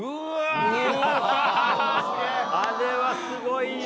あれはすごいな。